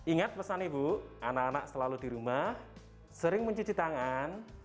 ingat pesan ibu anak anak selalu di rumah sering mencuci tangan